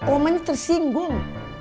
oma ini tersinggung